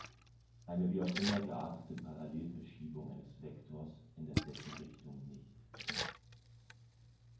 Eine wie auch immer geartete Parallelverschiebung eines Vektors ändert dessen Richtung nicht.